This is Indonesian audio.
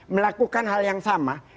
melakukan hal yang sama